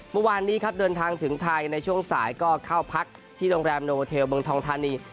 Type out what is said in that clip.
เมื่อวานนี้ครับเดินทางถึงไทยในช่วงสายก็เข้าพักที่โรงแรมโนโมเทลเมืองทองทานี